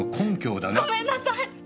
ごめんなさい！